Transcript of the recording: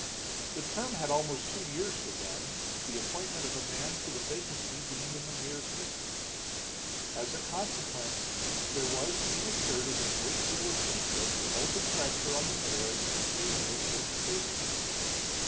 The term had almost two years to run, the appointment of a man to the vacancy being in the mayor's hands. As a consequence there was being exerted a great deal of secret and open pressure on the mayor in favor of certain favorites.